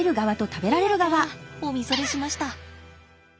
いややお見それしました。